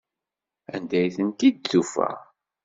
Anda ay tent-id-tufa?